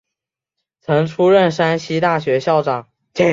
曾出任山西大学校长。